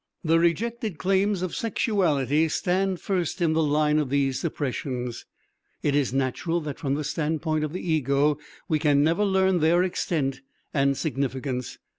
The rejected claims of sexuality stand first in the line of these suppressions; it is natural that from the standpoint of the ego we can never learn their extent and significance.